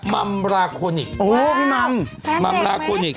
มัมราโคนิคโอ้วพี่มัมแฟนเด็กไหมมัมราโคนิค